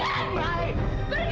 aku nggak mau pergi